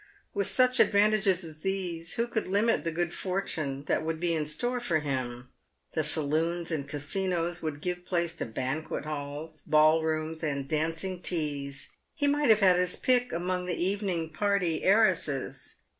With such advantages as these, who could limit the good fortune that would be in store for him ? The saloons and casinos would give place to banquet halls, ball rooms, and dancing teas. He might have his pick among the evening party heiresses.